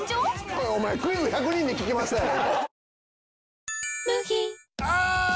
これお前『クイズ１００人に聞きました』やん！